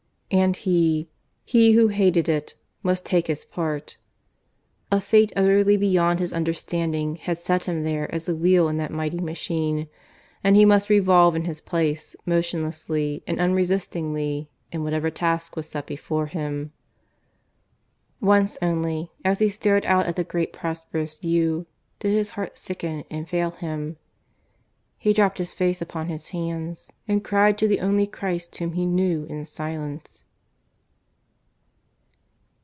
And he he who hated it must take his part. A Fate utterly beyond his understanding had set him there as a wheel in that mighty machine; and he must revolve in his place motionlessly and unresistingly in whatever task was set before him. ... Once only, as he stared out at the great prosperous view, did his heart sicken and fail him. He dropped his face upon his hands, and cried to the only Christ whom he knew in silence.